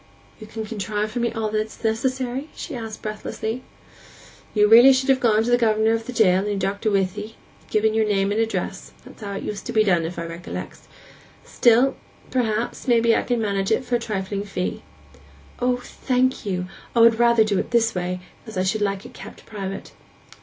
'You can contrive for me all that's necessary?' she said breathlessly. 'You should really have gone to the governor of the jail, and your doctor with 'ee, and given your name and address—that's how it used to be done, if I recollect. Still, perhaps, I can manage it for a trifling fee.' 'O, thank you! I would rather do it this way, as I should like it kept private.